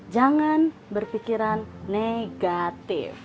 jangan berpikiran negatif